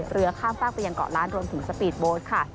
เรือข้ามฝากไปยังเกาะล้านรวมถึงสปีดโบสต์ค่ะ